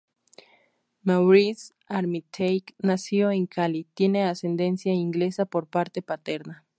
Maurice Armitage nació en Cali, tiene ascendencia inglesa por parte paterna.